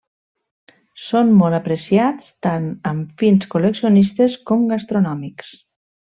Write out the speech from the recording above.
Són molt apreciats tant amb fins col·leccionistes com gastronòmics.